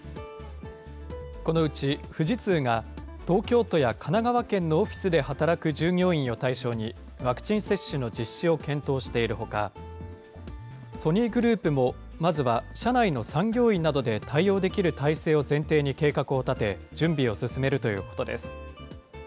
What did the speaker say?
このうち富士通が、東京都や神奈川県のオフィスで働く従業員を対象に、ワクチン接種の実施を検討しているほか、ソニーグループもまずは社内の産業医などで対応できる体制を前提に計画を立て、準備を進めるということです。